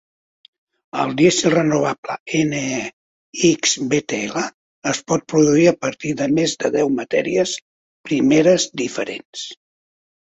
El dièsel renovable NExBTL es pot produir a partir de més de deu matèries primeres diferents.